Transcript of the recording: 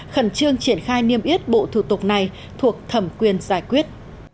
khẩn trương triển khai niêm yết bộ thủ tục này thuộc thẩm quyền giải quyết